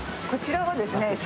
こちらはですね